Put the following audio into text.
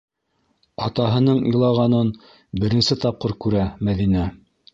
Атаһының илағанын беренсе тапҡыр күрә Мәҙинә.